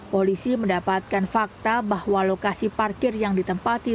polisi mendapatkan fakta bahwa lokasi parkir yang ditempati